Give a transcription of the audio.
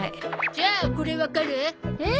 じゃあこれわかる？えっ？